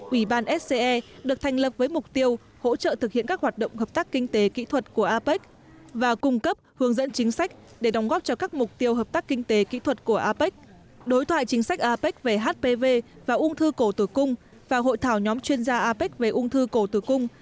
ủy ban sce được thành lập với mục tiêu hỗ trợ thực hiện các hoạt động hợp tác kinh tế kỹ thuật của apec và cung cấp hướng dẫn chính sách để đóng góp cho các mục tiêu hợp tác kinh tế kỹ thuật của apec đối thoại chính sách apec về hpv và ung thư cổ tử cung và hội thảo nhóm chuyên gia apec về ung thư cổ tử cung